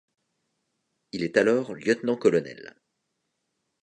Il est alors lieutenant-colonel.